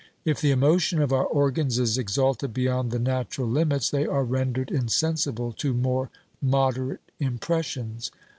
If the emotion of our organs is exalted beyond the natural limits, they are rendered insensible to more moderate impressions.